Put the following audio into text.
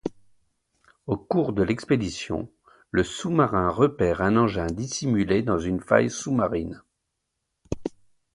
Au cours de l'expédition, le sous-marin repère un engin dissimulé dans une faille sous-marine.